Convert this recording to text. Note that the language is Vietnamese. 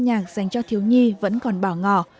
sân chơi âm nhạc dành cho thiếu nhi vẫn còn bỏ ngỏ